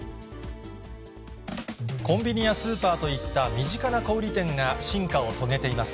コンビニやスーパーといった身近な小売り店が進化を遂げています。